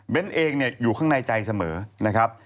เป็นเองอยู่ข้างในใจเสมอนะครับ